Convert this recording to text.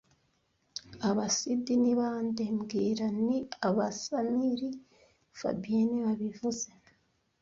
"Aba CD ni bande mbwira" "Ni aba Samir fabien niwe wabivuze"